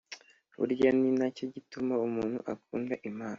burya ni na cyo gituma umuntu akunda imana